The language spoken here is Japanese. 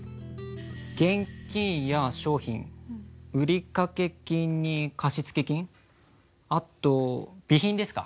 現金や商品売掛金に貸付金あと備品ですか。